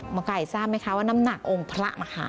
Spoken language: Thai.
มันใครทราบไหมคะว่าน้ำหนักองค์พระนะคะ